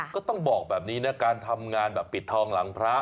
ก็ต้องบอกแบบนี้นะการทำงานแบบปิดทองหลังพระ